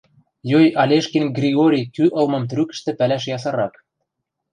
Йой Алешкин Кригори кӱ ылмым трӱкӹштӹ пӓлӓш ясырак.